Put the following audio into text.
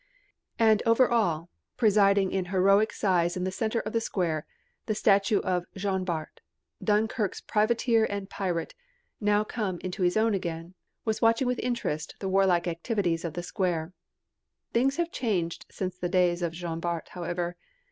And over all, presiding in heroic size in the centre of the Square, the statue of Jean Bart, Dunkirk's privateer and pirate, now come into his own again, was watching with interest the warlike activities of the Square. Things have changed since the days of Jean Bart, however.